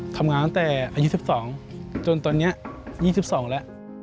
ทำงานตั้งแต่อายุ๑๒จนตอนนี้๒๒แล้ว